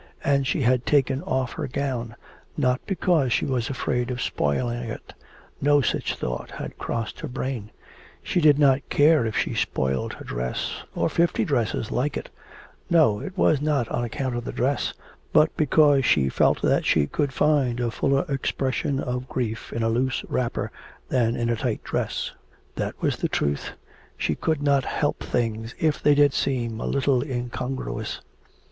And she had taken off her gown, not because she was afraid of spoiling it, no such thought had crossed her brain; she did not care if she spoilt her dress or fifty dresses like it; no, it was not on account of the dress, but because she felt that she could find a fuller expression of grief in a loose wrapper than in a tight dress. That was the truth, she could not help things if they did seem a little incongruous.